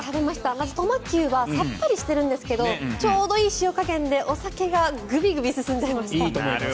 まずトマキュウはさっぱりしているんですがちょうどいい塩加減でお酒がグビグビ進んじゃいました。